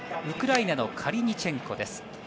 ウクライナのカリニチェンコです。